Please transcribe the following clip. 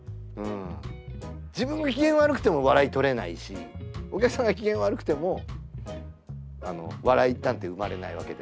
自分が機嫌悪くても笑い取れないしお客さんが機嫌悪くても笑いなんて生まれないわけで。